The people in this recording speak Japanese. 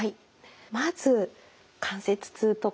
まず関節痛とか。